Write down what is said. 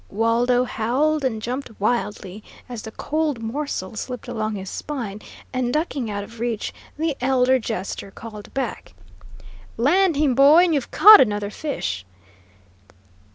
Waldo howled and jumped wildly, as the cold morsel slipped along his spine, and ducking out of reach, the elder jester called back: "Land him, boy, and you've caught another fish!"